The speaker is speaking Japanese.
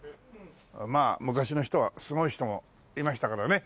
まあ昔の人はすごい人もいましたからね。